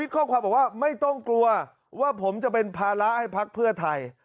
ข้อความบอกว่าไม่ต้องกลัวว่าผมจะเป็นภาระให้พักเพื่อไทย